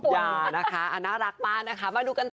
อย่านะคะน่ารักมากนะคะมาดูกันต่อ